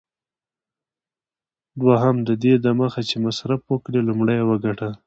دوهم: ددې دمخه چي مصرف وکړې، لومړی یې وګټه.